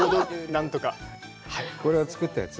これは作ったやつ？